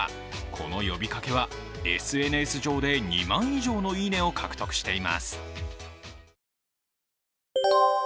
この呼びかけはＳＮＳ上で２万以上のいいねを獲得しています